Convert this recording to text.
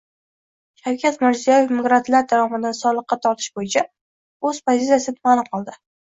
Shavkat Mirziyoyev migrantlar daromadini soliqqa tortish bo‘yicha o‘z pozitsiyasini ma’lum qildi